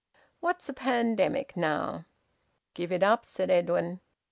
What's a pandemic, now?" "Give it up," said Edwin.